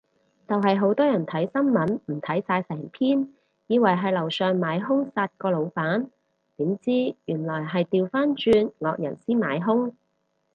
就係好多人睇新聞唔睇晒成篇，以為係樓上買兇殺個老闆，點知原來係掉返轉惡人先買兇